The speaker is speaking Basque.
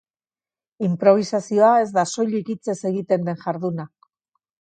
Inprobisazioa ez da soilik hitzez egiten den jarduna.